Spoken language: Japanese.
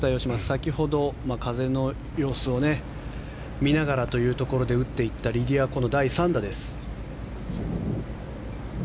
先ほど、風の様子を見ながらというところで打っていったリディア・コの第３打です。